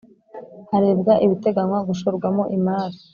Harebwa ibiteganywa gushorwamo imari